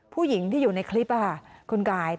ผู้หญิงที่อยู่ในคลิปค่ะคุณกาย